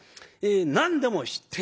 何でも知っている。